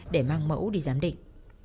để mang mẫu đi giám định